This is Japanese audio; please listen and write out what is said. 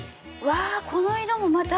この色もまた。